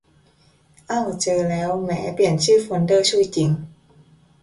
เอ้า เจอแล้ว แหม เปลี่ยนชื่อโฟลเดอร์ชุ่ยจริง